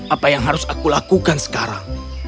apa yang harus aku lakukan sekarang